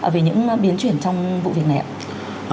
về những biến chuyển trong vụ việc này